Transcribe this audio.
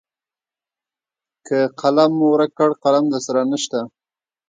که قلم مو ورک کړ قلم درسره نشته .